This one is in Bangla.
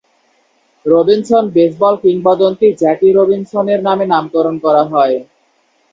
রবিনসন বেসবল কিংবদন্তি জ্যাকি রবিনসনের নামে নামকরণ করা হয়।